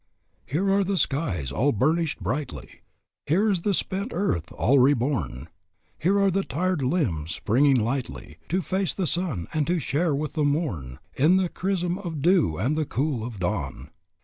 "Here are the skies all burnished brightly; Here is the spent earth all reborn; Here are the tired limbs springing lightly To face the sun and to share with the morn In the chrism of dew and the cool of dawn.